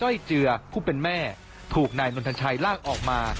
ไม่เจอผู้เป็นแม่ถูกนายน้อนทันชัยล่างออกมา